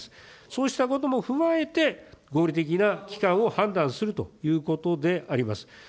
そうしたことも踏まえて、合理的な期間を判断するということであります。